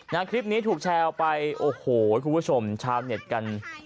นักคลิปนี้ถูกแชร์ไปโอ้โหเพื่อนคุณผู้ชมชาวเน็ตกัน